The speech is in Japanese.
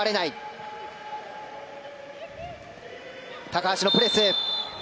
高橋のプレス。